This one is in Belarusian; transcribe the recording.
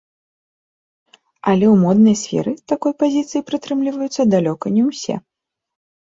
Але ў моднай сферы такой пазіцыі прытрымліваюцца далёка не ўсе.